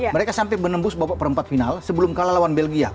mereka sampai menembus babak perempat final sebelum kalah lawan belgia